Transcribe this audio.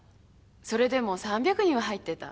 それでも３００人は入ってた。